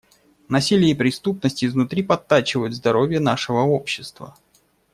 Насилие и преступность изнутри подтачивают здоровье нашего общества.